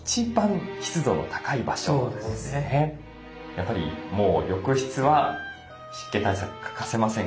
やっぱりもう浴室は湿気対策欠かせませんよね。